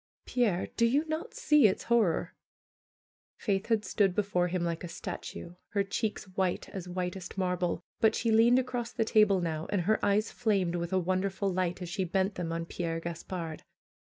Pierre, do you net see its horror?'' Faith had stood before him like a statue, her cheeks white as whitest marble ; but she leaned across the table now, and her eyes flamed with a wonderful light as she bent them on Pierre Gaspard.